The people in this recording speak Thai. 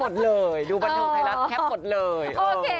ดูบันทึกไทยลักษณ์แคปหมดเลย